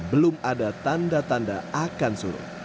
belum ada tanda tanda akan surut